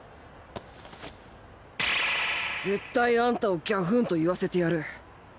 絶対アンタをギャフンと言わせてやる！